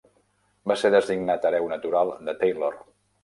Va ser designat hereu natural de Taylor.